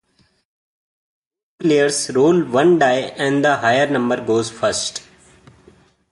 Both players roll one die and the higher number goes first.